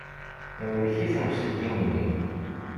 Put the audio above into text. Imlek-iken uselkim-nni.